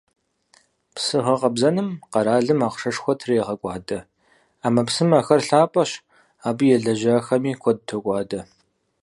Псы гъэкъэбзэным къэралым ахъшэшхуэ трегъэкӀуадэ: Ӏэмэпсымэхэр лъапӀэщ, абы елэжьахэми куэд токӀуадэ.